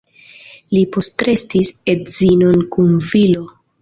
Li postrestis edzinon kun filo.